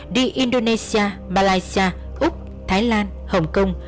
đi indonesia malaysia úc thái lan hồng kông